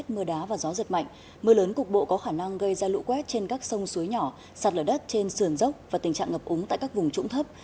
mưa lớn cục bộ có khả năng gây ra lũ quét trên các sông suối nhỏ sạt lở đất trên sườn dốc và tình trạng ngập úng tại các vùng trũng thấp